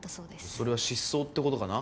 それは失踪ってことかな？